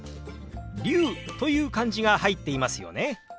龍という漢字が入っていますよね。